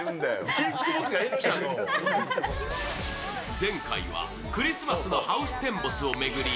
前回はクリスマスのハウステンボスを巡り